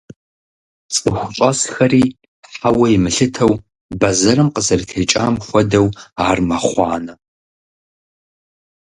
ЦӀыху щӀэсхэри хьэуэ имылъытэу, бэзэрым къызэрытекӀам хуэдэу ар мэхъуанэ.